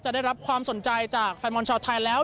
ได้รับความสนใจจากแฟนบอลชาวไทยแล้ว